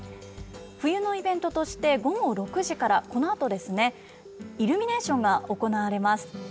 冬のイベントとして午後６時から、このあとですね、イルミネーションが行われます。